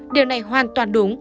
điều này hoàn toàn đúng